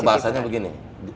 kita bahasanya begini